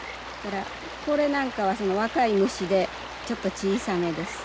これなんかは若い虫でちょっと小さめです。